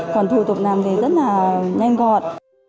còn thủ tục làm thì rất là nhanh gọn